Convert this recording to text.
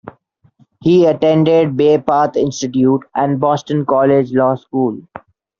He attended Bay Path Institute and Boston College Law School.